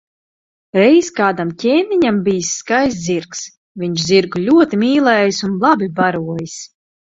Reiz kādam ķēniņam bijis skaists zirgs, viņš zirgu ļoti mīlējis un labi barojis.